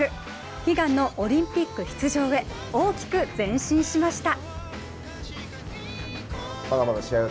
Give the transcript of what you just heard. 悲願のオリンピック出場へ、大きく前進しました。